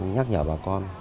nhắc nhở bà con